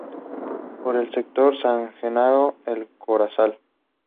Por el sector San Genaro, El Corozal.